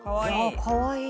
かわいい。